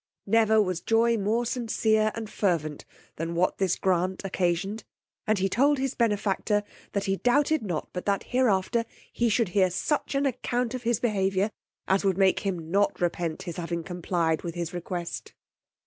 Never was joy more sincere and fervent than what this grant occasioned, and he told his benefactor that he doubted not but that hereafter he should hear such an account of his behaviour, as would make him not repent his having complied with his request.